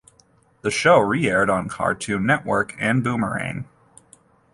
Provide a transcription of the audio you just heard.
The show re-aired on Cartoon Network and Boomerang.